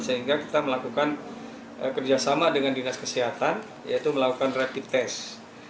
sehingga kita melakukan kerjasama dengan dinas kesehatan yaitu melakukan rapid test